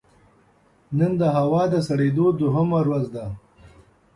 نن د هوا د سړېدو دوهمه ورځ ده